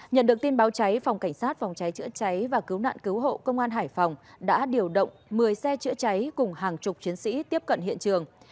nhận được tin báo cháy phòng cảnh sát phòng cháy chữa cháy và cứu nạn cứu hộ công an hải phòng đã điều động một mươi xe chữa cháy cùng hàng chục chiến sĩ tiếp cận hiện trường